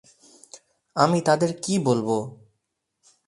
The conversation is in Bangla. আমি তাদের কি বলবো?